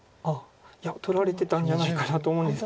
いや取られてたんじゃないかなと思うんですけど。